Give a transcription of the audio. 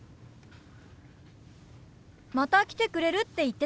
また来てくれるって言ってたよ。